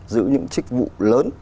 giữ những chức vụ lớn